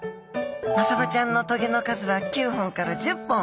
マサバちゃんのトゲの数は９本から１０本。